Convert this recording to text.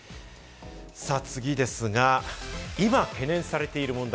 次ですが、今、懸念されている問題